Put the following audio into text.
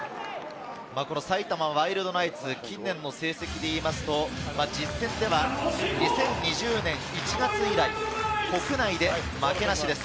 埼玉ワイルドナイツ、近年の成績で言いますと、実戦では２０２０年１月以来、国内で負けなしです。